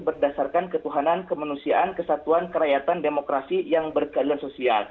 berdasarkan ketuhanan kemanusiaan kesatuan kerakyatan demokrasi yang berkeadilan sosial